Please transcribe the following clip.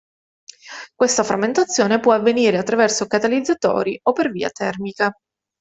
Questa frammentazione può avvenire attraverso catalizzatori o per via termica.